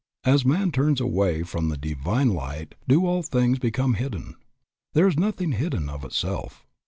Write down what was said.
As man turns away from the Divine Light do all things become hidden. There is nothing hidden of itself.